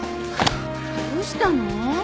どうしたの？